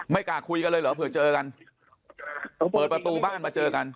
กล้าคุยกันเลยเหรอเผื่อเจอกันเปิดประตูบ้านมาเจอกัน